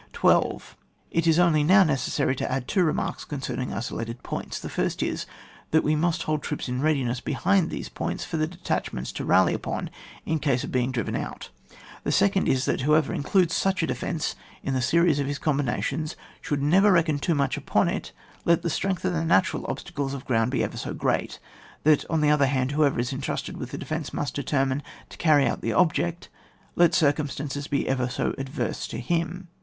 12. It is only now necessary to add two remarks concerning isolated points, the first is, that we must hold troops in readi ness behind these points for the detach ments to rally upon in case of being driven out; the second is that whoever includes such a defence in the series of his combina tions, should never reckon too much upon it, let the strength of the natural obstacles of ground be ever so great ; that on the other hand, whoever is entrusted with the defence, must determine to carry out the object, let circumstances be ever so ad verse to him.